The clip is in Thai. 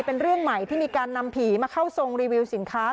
เป็นเรื่องใหม่ที่มีการนำผีมาเข้าทรงรีวิวสินค้า